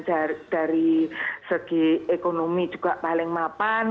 dan dari segi ekonomi juga paling mapan